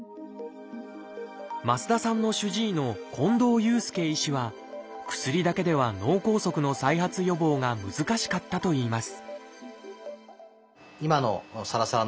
増田さんの主治医の近藤祐介医師は薬だけでは脳梗塞の再発予防が難しかったといいます